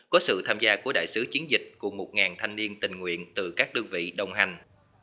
có sự tham gia của đại sứ chiến dịch cùng một thanh niên tình nguyện từ các đơn vị đồng hành